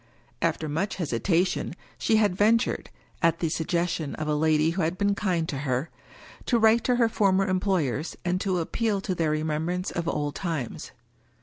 After much hesitation she had ven tured — at the suggestion of a lady who had been kind to her — ^to write to her former employers, and to appeal to their remembrance of old times.